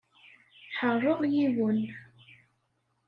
Ḥeṛṛeɣ yiwen.